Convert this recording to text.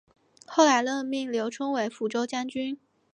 后来任命刘聪为抚军将军。